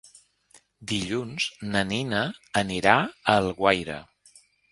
Dilluns na Nina anirà a Alguaire.